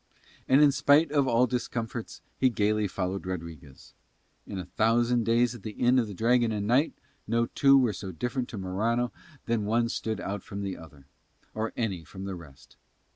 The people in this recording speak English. And in spite of all discomforts he gaily followed Rodriguez. In a thousand days at the Inn of the Dragon and Knight no two were so different to Morano that one stood out from the other, or any from the rest.